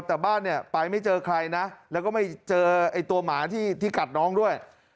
แต่บ้านเนี่ยไปไม่เจอใครนะแล้วก็ไม่เจอไอ้ตัวหมาที่กัดน้องด้วย